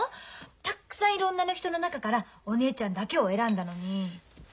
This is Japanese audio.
たっくさんいる女の人の中からお姉ちゃんだけを選んだのに。